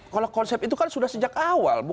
kalau konsep itu kan sudah sejak awal